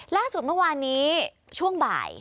ล่าสุดเมื่อวานนี้ช่วงบ่าย